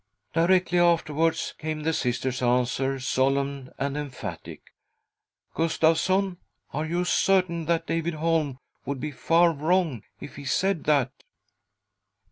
Directly afterwards came the Sister's answer, solemn and emphatic. " Gustavsson, are you certain that David Holm would be far wrong if he said that